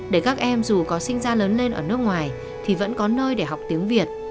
để các em dù có sinh ra lớn lên ở nước ngoài thì vẫn có nơi để học tiếng việt